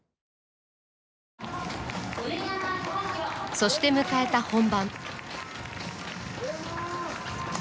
そして迎えた本番。